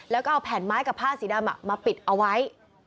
แล้วก็เอาแผ่นไม้กับผ้าสีดำมาปิดเอาไว้